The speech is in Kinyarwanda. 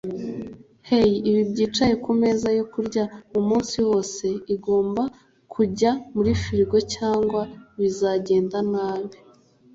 Hey ibi byicaye kumeza yo kurya umunsi wose Igomba kujya muri firigo cyangwa bizagenda nabi